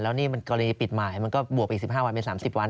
แล้วนี่มันกรณีปิดหมายมันก็บวกไปอีก๑๕วันเป็น๓๐วัน